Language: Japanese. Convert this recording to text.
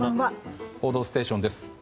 「報道ステーション」です。